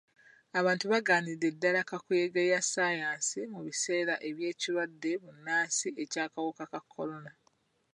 Abantu bagaanidde ddala kakuyege ya ssaayansi mu biseera by'ekirwadde bbunansi eky'akawuka ka kolona.